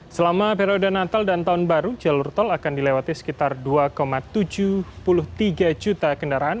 selama periode natal dan tahun baru jalur tol akan dilewati sekitar dua tujuh puluh tiga juta kendaraan